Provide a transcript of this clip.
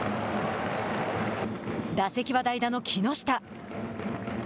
打席は代打の木下。